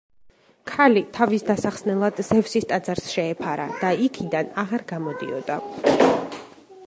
ქალი თავის დასახსნელად ზევსის ტაძარს შეეფარა და იქიდან აღარ გამოდიოდა.